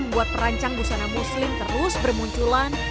membuat perancang busana muslim terus bermunculan